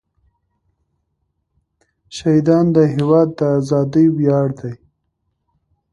شهیدان د هېواد د ازادۍ ویاړ دی.